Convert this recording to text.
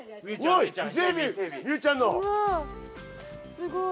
・すごい。